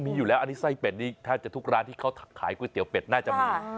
มีอยู่แล้วอันนี้ไส้เป็ดนี่ถ้าจะทุกร้านที่เขาขายก๋วยเตี๋ยเป็ดน่าจะมี